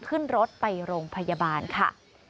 ขึ้นรถไปโรงพยาบาลค่ะ